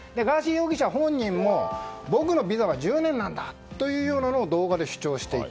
容疑者本人も僕のビザは１０年なんだと動画で主張していた。